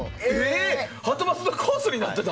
はとバスのコースになってた？